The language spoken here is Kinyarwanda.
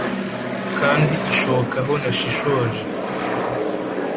kandi ishoka aho nashishoje.